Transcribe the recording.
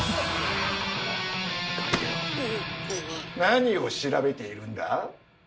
何を調べているんだ？